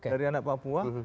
dari anak papua